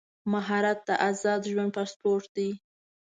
مهارت د ازاد ژوند پاسپورټ دی.